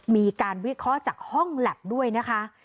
มีการวิเคราะห์จากห้องแล็บด้วยนะคะ